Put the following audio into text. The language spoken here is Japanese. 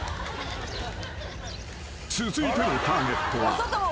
［続いてのターゲットは］